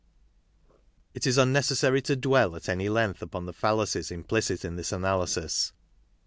It is unnecessary to dwell at any length upon the fallacies implicit in this analysis.